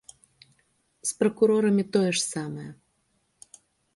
З пракурорамі тое ж самае.